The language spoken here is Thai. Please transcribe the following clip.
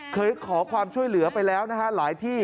เคยขอความช่วยเหลือไปแล้วนะฮะหลายที่